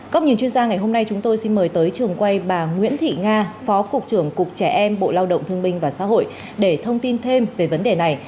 góc nhìn chuyên gia ngày hôm nay chúng tôi xin mời tới trường quay bà nguyễn thị nga phó cục trưởng cục trẻ em bộ lao động thương binh và xã hội để thông tin thêm về vấn đề này